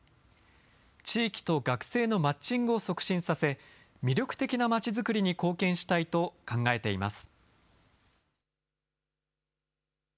地域と学生のマッチングを促進させ、魅力的なまちづくりに貢献したいと考えています。